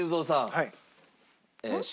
はい。